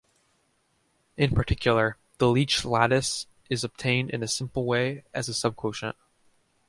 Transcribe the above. In particular, the Leech lattice is obtained in a simple way as a subquotient.